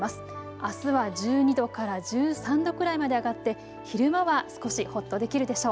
あすは１２度から１３度くらいまで上がって昼間は少しほっとできるでしょう。